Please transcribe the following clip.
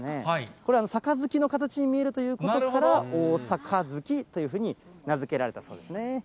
これ、さかずきの形に見えるということから大盃というふうに名付けられたそうですね。